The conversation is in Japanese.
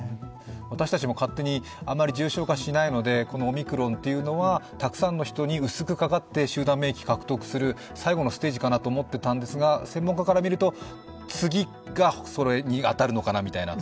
私たちも勝手にあまり重症化しないのでこのオミクロンは、たくさんの人に薄くかかって集団免疫を獲得する最後のステージかなと思っていたんですが専門家からみると、次がそれに当たるのかなみたいな。